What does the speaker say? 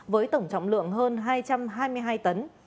với tổng trọng lượng hơn hai trăm hai mươi hai tấn